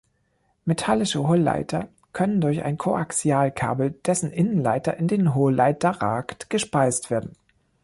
Metallische Hohlleiter können durch ein Koaxialkabel, dessen Innenleiter in den Hohlleiter ragt, gespeist werden.